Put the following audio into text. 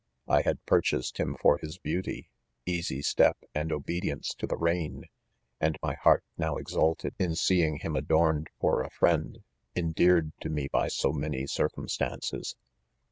I had purchased him for his beauty, easy step, and obedience to the rein, and my heart now exulted in seeing him adorned for a friend, endeared to me by so many circumstance's..